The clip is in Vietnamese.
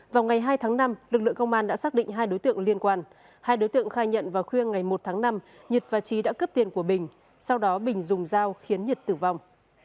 vào ngày hai tháng năm lực lượng công an đã xác định hai đối tượng liên quan hai đối tượng khai nhận vào khuya ngày một tháng năm nhật và trí đã cướp tiền của bình sau đó bình dùng dao khiến nhật tử vong